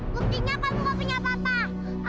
berarti kenapa kamu gak punya papa